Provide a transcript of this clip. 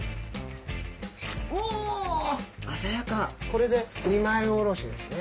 これで２枚おろしですね。